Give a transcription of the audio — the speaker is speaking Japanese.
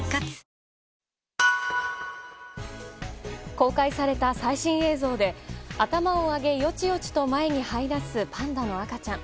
公開された最新映像で頭を上げよちよちと前にはい出すパンダの赤ちゃん。